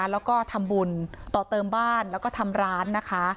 แล้วก็ทำบุญต่อเติมบ้านแล้วก็ทำร้านนะคะ